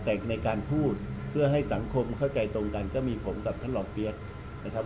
แต่ในการพูดเพื่อให้สังคมเข้าใจตรงกันก็มีผมกับท่านรองเปี๊ยกนะครับ